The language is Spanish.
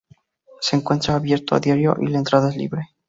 Se encuentra abierto a diario y la entrada es libre.